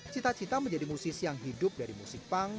cita cita menjadi musisi yang hidup dari musik punk